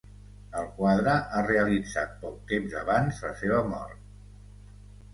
El quadre ha realitzat poc temps abans la seva mort.